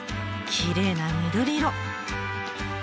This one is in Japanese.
きれいな緑色！